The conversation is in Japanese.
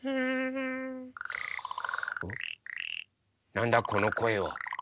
なんだこのこえは。